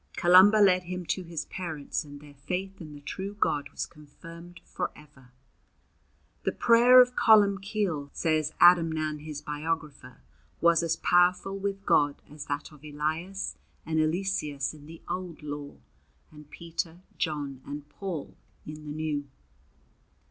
Columba led him to his parents, and their faith in the true God was confirmed for ever. The prayer of Columbcille, says Adamnan his biographer, was as powerful with God as that of Elias and Eliseus in the old law, and Peter, John, and Paul in the new.